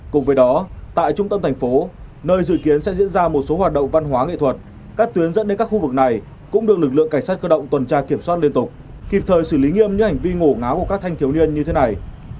cùng với đó tại trung tâm thành phố nơi dự kiến sẽ diễn ra một số hoạt động văn hóa nghệ thuật các tuyến dẫn đến các khu vực này cũng được lực lượng cảnh sát cơ động tuần tra kiểm soát liên tục kịp thời xử lý nghiêm những hành vi ngổ ngáo của các thanh thiếu niên như thế này